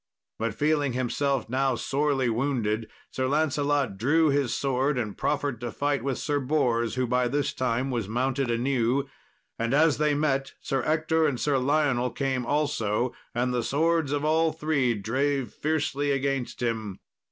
But feeling himself now sorely wounded Sir Lancelot drew his sword, and proffered to fight with Sir Bors, who, by this time, was mounted anew. And as they met, Sir Ector and Sir Lionel came also, and the swords of all three drave fiercely against him.